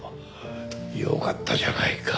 よかったじゃないか。